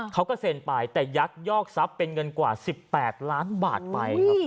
เขาก็เซ็นไปแต่ยักยอกทรัพย์เป็นเงินกว่า๑๘ล้านบาทไปครับ